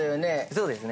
◆そうですね。